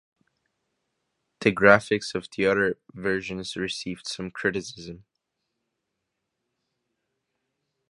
The graphics of the other versions received some criticism.